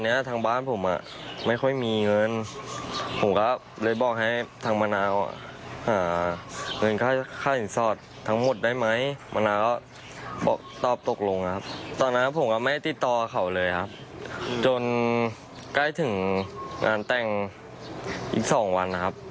อีกสองวันนะครับ